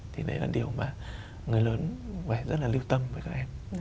thì đấy là điều mà người lớn phải rất là lưu tâm với các em